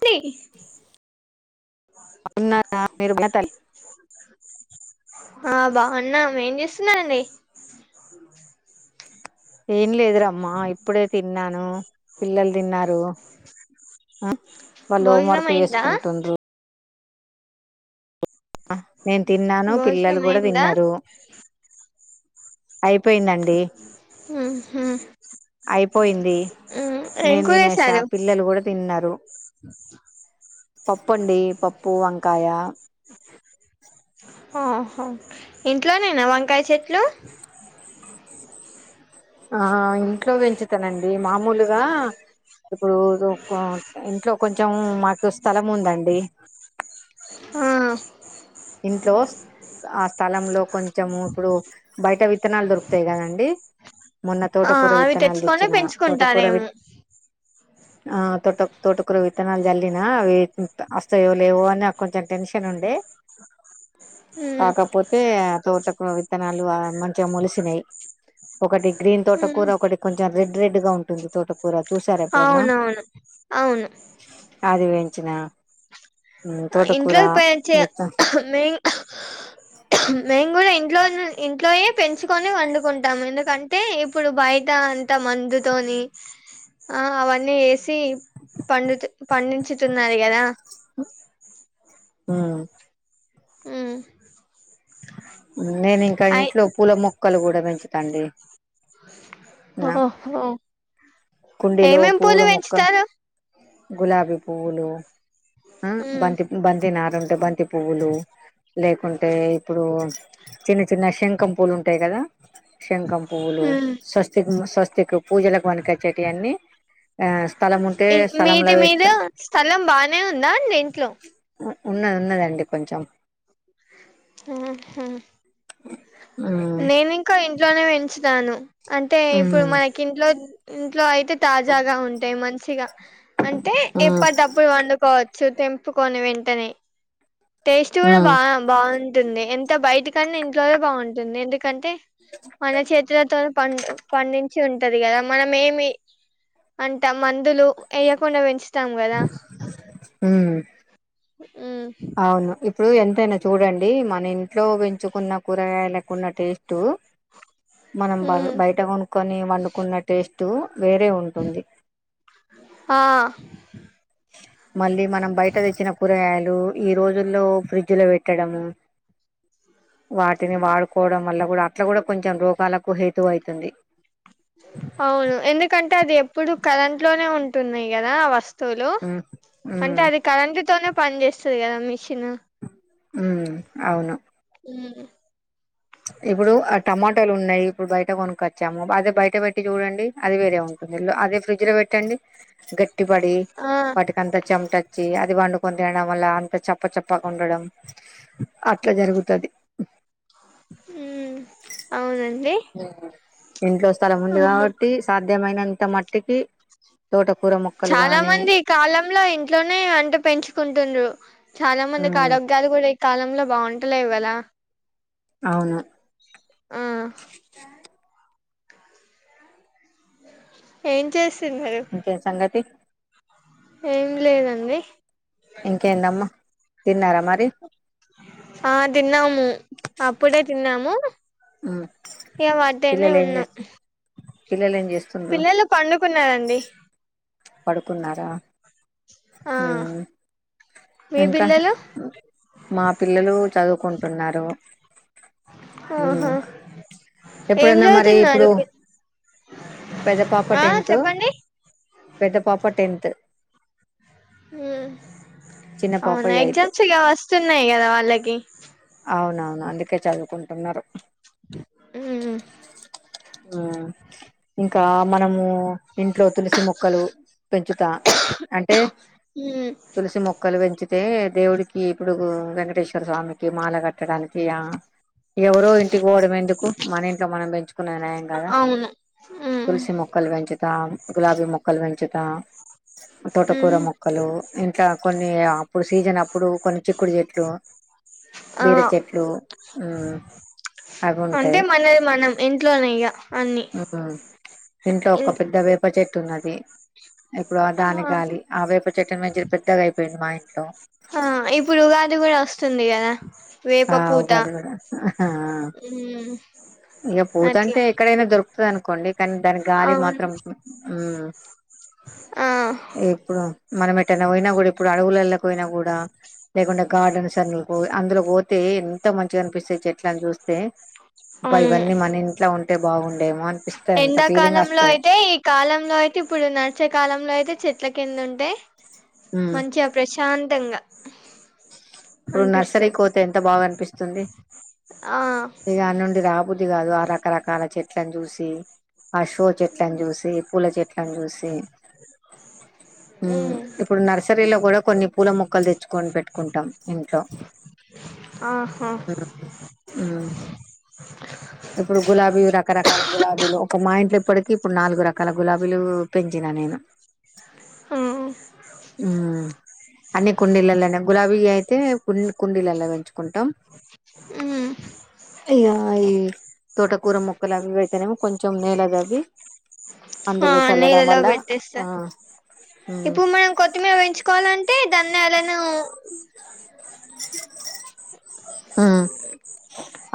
కూయ్ కొన్నార మీరు బట్టల్ హ బాగున్నాం ఏం చేస్తున్నారండి ఏం లేదురమ్మా ఇప్పుడే తిన్నాను పిల్లలు వాళ్ళు హోం భోజనం వర్క్ అయిందా చేసుకుంటుండ్రు నేను తిన్నాను పిల్లలు భోజనం కూడా అయిందా తిన్నారు అయిపోయిందండి వును అయిపోయింది ఉమ్ ఏం నేను కూర తినేసా చేశారు పిల్లలు కూడా తిన్నారు పప్పు అండి పప్పు వంకాయ ఇంట్లోనేనా వంకాయ చెట్లు ఆ ఇంట్లో పెంచుతానండి మామూలుగా ఇప్పుడు ఇంట్లో కొంచెం మాకు స్థలం ఉందండి ఆ ఇంట్లో ఆ స్థలంలో కొంచెము ఇప్పుడు బయట విత్తనాలు దొరుకుతాయి కదండి మొన్న ఆ తోటకూర అవి విత్తనాలు తెచ్చుకొని తెచ్చిన తోటకూర వి పెంచుకుంటారేమో ఆ తోట తోటకు ర విత్తనా జలేన అవింత వస్తాయవో లేవుో అని నాకు కొంచెం టెన్షన్ ఉండడి ఉమ్ కాకపోతే తోతకు విత్తనాలు మంచిగా మలిసినాయి ఒకటి గ్రీన్ ఉమ్ తోటకూర ఒకటి కొంచెం రెడ్ రెడ్ గా ఉంటుంది తోటకూర చూసారా ఎప్పుడన్నా అవునవును అవును ఆది పెంచిన మ్మ్ తోటకూర మీమ్ మేము కూడా ఇంట్లో ఇంట్లో పెంచుకొని వండుకుంటాము ఎందుకంటే ఇప్పుడు బయట అంత మందు తోని ఆ అవన్నీ వేసి పండితు పండించుతున్నారు కదా మ్మ్ మ్మ్ నేను ఇంకా ఇంట్లో పూల మొక్కలు కూడా పెంచుతాండి నా ఓహో ఏమ్ కుండీలో ఏమ్ మేం పూల పూలు మొక్క పెంచుతారు గులాబీ పువ్వులు మ్మ్ ఉమ్ బంతి బంతినారు ఉంటే బంతి పువ్వులు లేకుంటే ఇప్పుడు చిన్న చిన్న శంఖం పూలు ఉంటాయి కదా శంఖం పువ్లు స్వస్తి స్వస్తికి పూజలకు వనక చెటి అన్నిీ మీది మీద వేస్తా స్థలం బానే ఉందా అండి ఇంట్లో ఉన్నది ఉన్నదండి కొంచెం ఆహా మ్మ్ నేను ఇంకా ఇంట్లోనే పెంచుతాను అంటే ఇప్పుడు మ్మ్ మనకి ఇంట్లో ఇంట్లో అయితే తాజాగా ఉంటాయి మంచిగా అంటే మ్మ్ ఎప్పటిప్పుడు వండుకోవచ్చు తెంపుకొని వెంటనే టేస్ట్ కూడా మ్మ్ బా బాగుంటుంది ఎంత బయట కన్నా ఇంట్లోనే బాగుంటుంది ఎందుకంటే మన చేతులతో పం పండించి ఉంటది కదా మన ఏమి అంట మందులు వేయ్యకుండా పెంచ ఇస్తాం కదా మ్మ్ అవును ఇప్పుడు ఎంతైనా చూడండి మన ఇంట్లో పెంచుకున్న కూరగాయకున్న టేస్ట్ మనం బ ఉమ్ బయట కొనుకుొని వండుకున్న టేస్ట్ వేరే ఉంటుంది ఆ మళ్ళీ మనం బయట తెచ్చిన కూరగాయలు ఈ రోజుల్లో ఫ్రిడ్జ్ లో పెట్టడము వాటిని వాడుకోవడం వల్ల కూడా అట్లా కూడా కొంచెం రోగాలకు హేతువు అవుతుంది అవును ఎందుకంటే అది ఎప్పుడు కరెంట్ లోనే ఉంటున్నాయి కదా వస్తు లు ఉమ్ అంటే ఉమ్ అది కరెంట్ తోనే పని చేేస్తుంది కదా మిషన్ ఉ అవును ఉ ఇప్పుడు ఆ టమాటోాలు ఉన్నాయి ఇప్పుడు బయట కొనుక్కొచ్చాము అదే బయట పెట్టి చూడండి అది వేరే ఉంటుంది అదే ఫ్రిడ్జ్ లో పెట్టండి గట్టి పడి ఆ వాటిక అంత చెమట వచ్చి అది పండు కొని తినడం వల్ల అంత చప్ప చప్పక ఉండడం అట్లా జరుగుతుది ఉ అవునండి ఇంట్లో స్థలం ఉంది ఉమ్ కాబట్టి సాధ్యమైనంత మట్టికి తోట చాలా మంది ఈ కాలంలో ఇంట్లోనే వంట పెంచుకుంటుండ్ర చాలా మందికి ఉమ్ ఆరోగ్యాలు కూడా ఈ కాలంలో బాగుంటలేవు కదా అవును ఆ ఏం చేసి ఓకే సంగతి ఏం లేదండి ఇంకేందమ్మా తిన్నారా మరి ఆ తిన్నాము అప్పుడే తిన్నాము ఉమ్ అద్దేనే పిల్లలు ఏం ఉన్న చేస్త పిల్లలు ఏం చేస్తుండ్రు పిల్లలు పండుకున్నారండి పడుకున్నారా ఆ మీ ఇంకా పిల్లలు మా పిల్లలు చదువుకుంటున్నారు ఆహా ఏం ఎప్పుడన్నా మరి చదువుతున్నారు ఇప్పుడు పెద్ద పాప ఆ టెన్త్ చెప్పండి పెద్ద పాప టెన్త్ చిన్న పాప అవునా ఎయిత్ ఎగ్జామ్స్గా వస్తున్నాయి కదా వాళ్ళకి అవునవును అందుకే చదువుకుంటున్నారు యూ యూ ఇంకా మనము ఇంట్లో తులసి మొక్కలు పెంచుతా అంటే తులసి మొక్కలు పెంచితే దేవుడికి ఇప్పుడు వెంకటేశ్వర స్వామి మాల కట్టడానికి ఆ ఎవరో ఇంటికి పోవడం ఎందుకు మన ఇంట్లో మనం పెంచు కునేది కదా అవును తులసి మొక్కలు పెంచుతాం గులాబీ మొక్కలు పెంచుతా తోటకూర మొక్కలు ఇంట్లా కొన్ని అప్పుడు సీజన్ అప్పుడు కొన్ని చిక్కుడు చెట్లు ఆ బీర చెట్లు ఊ అంటే మనది మనం ఇంట్లోనే ఇక అనీ ఉమ్ ఇంట్లో ఒక పెద్ద వేప చెట్టు ఉన్నది ఇప్పుడు దాని గాలి ఆ వేపు చెట్టు మంచి పెద్దగా అయిపోయింది మా ఇంట్లో ఆ ఇప్పుడు ఉగాది కూడా వస్తుంది కదా ఆ వేప పూత ఉగాది కూడా ఆహా హా ఇక అట్లా పోతంటే ఎక్కడైనా దొరుకుతుంది అనుకోండి కానీ దాని గాలి అవును మాత్రం యూ ఆ ఇప్పుడు మనం ఎటన్న పోయినా కూడా ఇప్పుడు అడవులలోకి పోయినా కూడా లేకుండా గార్డెన్స్ అనికూ అందులో పోతే ఎంత మంచిగా అనిపిస్తాయి చెట్ చేట్లాని చూస్తే బ అవును ఇవన్నీ మన ఇంట్లో ఉంటే బాగుండేమో అనిపిస్తాయి అంత ఫీలింగ్ ఎండాకాలంలో వస్తది అయితే ఈ కాలంలో అయితే ఇప్పుడు న మచ్చ్యకాలంలో అయితే చెట్ల కింద ఉంటే ఉమ్ మంచిగా ప్రశాంతంగా ఇప్పుడు నర్సరీ అనిపిస్తది పోతే ఎంత బాగా అనిపిస్తుంది ఆ ఇక అట్నుంచి రాబుద్ధి కాదు రకరకాల చెట్లను చూసి ఆ షో చెట్లను చూసి పూల చెట్లను చూసి ఉ ఉమ్ ఇప్పుడు నర్సరీలో కూడా కొన్ని పూల మొక్కలు తెచ్చుకొని పెట్టు కుంటాం ఇంట్లో ఆహా ఉ ఉ ఇప్పుడు గులాబీ రకరకాల గులాబీలు ఒక మా ఇంట్లో ఇప్పటికీ ఇప్పుడు నాలుగు రకాల గులాబీ బ్బులు పెంచినా నేను ఉ ఉ అన్ని కుండీలలోనే గులాబీ అయితే కు కుండీలల్లో పెంచుకుంటాం ఉమ్ ఇక ఈ తోటకూర మొక్కలు అవి ఇ అయితేనేమో కొంచెం నేల తవ్వి ఆ అందులో చల్లడం నీళ్ళలో వల్ల పెట్టేస్తా ఆ ఉమ్ ఇప్పుడు మనం కొత్తిమీర పెంచుకోవాలంటే దానాలను హు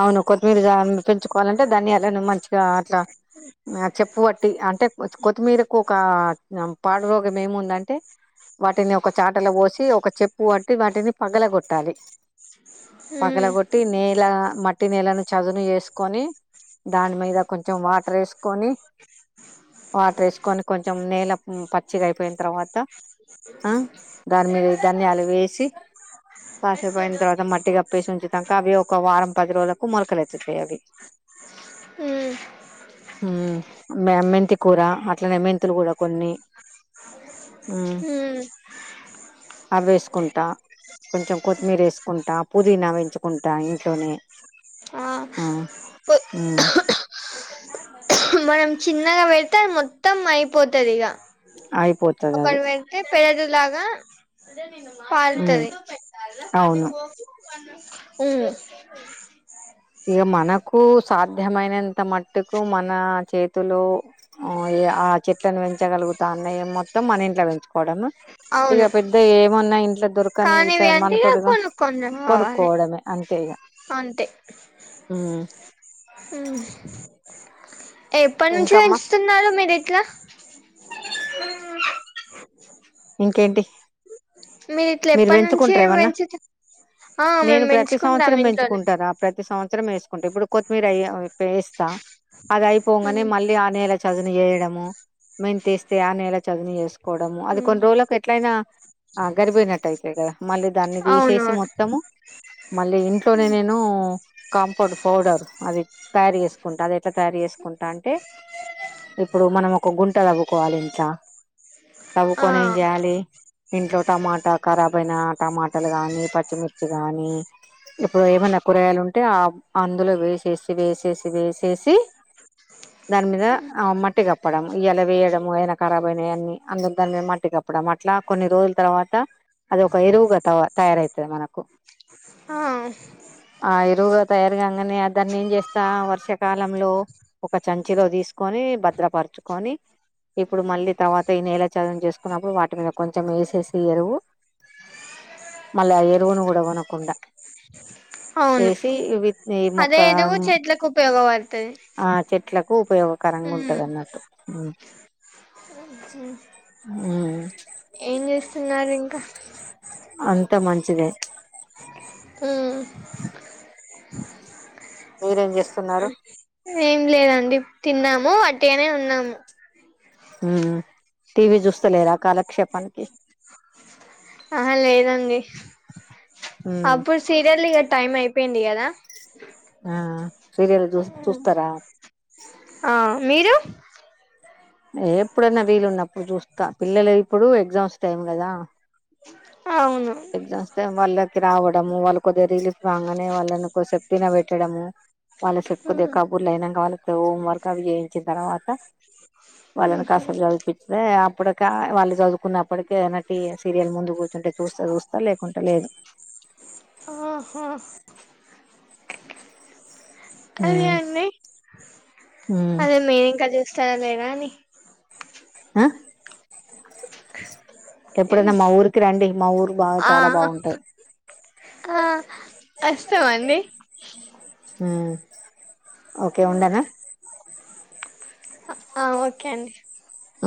అవును కొత్తిమీర జా ఉంచుకోవాలంటే ధనియాలను మంచిగా అట్లా ఆ చెప్పు పట్ అంటే కొత్తిమీరకు ఒక పాడు రోగం ఏముందంటే వాటిని ఒక చాటల పోసి ఒక చెప్పు పట్టి వాటిని పగల కొట్టాలి ఉమ్ పగలగొట్టి నేల మట్టి నీలను చదును చేసుకొని దాని మీద కొంచెం వాటర్ వేసుకొని వాటర్ వేసుకొని కొంచెం నేల పచ్చిగా అయిపోయిన తర్వాత త ఆ దాని మిద ధనియాలు వేసి కాసేపు అయినా తర్వాత మట్టి కప్పేసి ఉంచుతంగా అవి ఒక వారం పది రోజుకు మొలకలు ఎత్తుతాయి అవి ఉమ్ మ్ మీ అమ్మ ఇంటి కూర అట్లనే మెంతులు కూడా కొన్ని ఉ ఉమ్ అవి వేసుకుంటా కొంచెం కొత్తిమీర వేసుకుంటా పుదీనా పెంచుకుంటా ఇంట్లోనే ఆ కొ- ఊ మనం చిన్నగా పెడితే అది మొత్తం అయిపోతది ఇగ అయిపోతది అది ఒకటి వెడితే పెరడు లాగా పారుతది అవును మ్ ఇగ మనకు సాధ్యమైనంత మట్టుకు మన చేతిలో మ్ ఇగ ఆ చెట్లను పెంచగలుగుతాన్నాయి మొత్తం మన ఇంట్ల పెంచు కోవడం ఇక అవును పెద్దయి ఏమన్నా ఇంట్లో దొరకనివి కానీవి ఇట్లా అంటే ఇగ మనతోటిగా కొనుక్కొని కొనుక్కో రావాలి పొడమే అంతే ఇగా అంతే మ్ ఎప్పటి నుంచి ఇంకమ్మా పెంచుతున్నారు మీరు ఇట్లా ఇంకేంటి మీరు ఇట్లా ఎప్పటి నుంచి పెంచుకుంటార ఏమన్నా పెంచు నేను ప్రతి సంవత్సరం పెంచుకుంటారా ప్రతి సంవ త్సరం వేసుకుంటా ఇప్పుడు కొత్తిమీర అ వేస్తా అది అయిపోంగానే మళ్లీ ఆ నేల చదును చేయడము మెంతీ ఏస్తే ఆ నేలా చదును చేసుకోవడము అది కొన్ని రోజులకు ఎట్లయినా అ గరిపోయినట్టు అయితయి కదా మళ్లీ దాన్ని తీసేసి అవునవును మొత్తము మళ్లీ ఇంట్లోనే నేను పడు పౌడర్ అది తయారు చేసుకుంటా అది ఎట్లా తయారు చేసుకుంటా అంటే ఇప్పుడు మనం ఒక గుంట తవ్వుకోవాలి ఇంట్ల ఆ కాలి ఇంట్లో టమాట కారాబ్ అయిన టమాటాలు కాని పచ్చి మి ర్చి గాని ఇప్పుడు ఏమన్నా కూరగాయలు ఉంటే ఆ అందులో వేసేసి వేసేసి వేసే సి దాని మీద మట్టి కప్పడం ఇయాలా వేయడం ఏదైనా ఖరాబ్ అయినావన్ని అందు దాని మీద మట్టికప్పడం అట్లా కొన్ని రోజుల తర్వాత అది ఒక ఎరువుగా తవ తయారయితది మనకు ఆ ఇగ నే దాన్ని ఏం చేస్తా వర్షాకాలంలో ఒక చంచిలో తీసుకొని భద్రపరచుకొని ఇప్పుడు మళ్లీ తర్వాత ఈ నేల చదును చేసుకున్నప్పుడు వాటి మీద కొంచెం వేసేసి ఎరువు మళ్లీ ఆ ఎరువును కూడ కొనకుండా అవును వేసి విత్ ఈ మొక్క అదే ఏదో చెట్లకు ఉపయోగపడుతది ఆ చెట్లకు ఉపయోగకరంగా ఉంటది అన్నట్టు మ్ హ్ మ్ ఏం చేస్తున్నారు ఇంకా అంత మంచిదే మ్ మీరేం చేస్ ఏం లేదండి తిన్నాము వట్టిగానే ఉన్నాము ఊమ్ మ్ టీవీ చూస్తలేరా కాలక్షేపానికి ఆహా లేదండి ఉమ్ అప్పుడు సీరియల్ ఇగ టైమ్ అయిపోయింది కదా ఆ సీరియల్ చూ చూస్తారా ఆ మీరు ఎ ఎప్పుడన్నా వీలున్నప్పుడు చూస్తా పిల్లలు ఇప్పుడు ఎగ్జామ్స్ టైం కదా అవును ఎగ్జామ్స్ టేం వాళ్లకి రావ టం వాళ్లు కొద్దిగా రిలీఫ్ కాంగానే వాళ్లని కొసేపు తినపెట్టడము వాళ్ల చెప్పు కొద్ది కబుర్లు అయినంకా వాళ్ల తో హోం వర్క్ అవి చేయించిన తర్వాత వాళ్లని కాసేపు చదివిపిస్తే అప్పుడుకే వాళ్లు చదువుకున్నప్పటికే న టీవీ సీరియల్ ముందు కూర్చుంటే చూ స్తే చూస్తా లేకుంటే లేదు ఆహా అదే ఉమ్ అండి ఉమ్ అదే మీర్ ఇంకా చూస్తారా లేద అని ఆ ఎప్పుడైనా మా ఊరికి రండి మా ఊరు బాగా ఆ చాలా బాగుంటది ఆ వస్తాం అండి ఉమ్ ఓకే ఉండనా ఆ ఓకే అండి ఆ